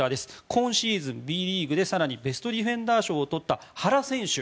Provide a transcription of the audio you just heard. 今シーズンＢリーグで更にベストディフェンダー賞を取った原選手